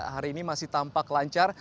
hari ini masih tampak lancar